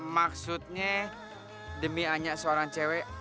maksudnya demi hanya seorang cewek